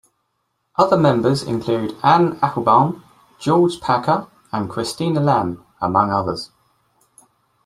Other members include, Anne Applebaum, George Packer, and Christina Lamb, among others.